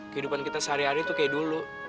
kehidupan kita sehari hari tuh kayak dulu